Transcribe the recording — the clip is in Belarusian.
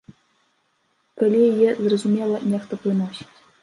Калі яе, зразумела, нехта прыносіць.